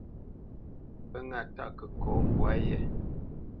Pə́ ŋâ tâʼ kəkɔ mbwǎ yé.